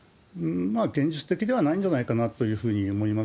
現実的ではないんじゃないかなというふうに思います。